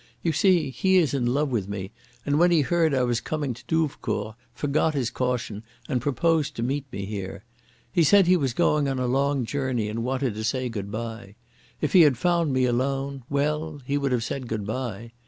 You see he is in love with me, and when he heard I was coming to Douvecourt forgot his caution and proposed to meet me here. He said he was going on a long journey and wanted to say goodbye. If he had found me alone—well, he would have said goodbye.